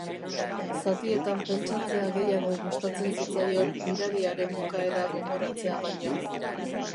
Zatietan pentsatzea gehiago gustatzen zitzaion mirari haren bukaera gogoratzea baino.